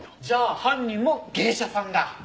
じゃあ犯人も芸者さんだ。